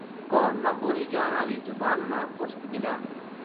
قوم ما بولی جان ہالی زبان ما اُس قبیلہ